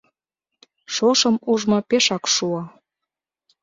Шошым ужмо пешак шуо.